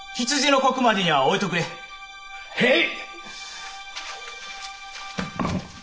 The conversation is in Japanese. へい。